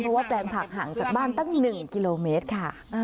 เพราะว่าแปลงผักห่างจากบ้านตั้ง๑กิโลเมตรค่ะ